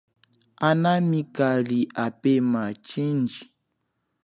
Anami kali apema chindji.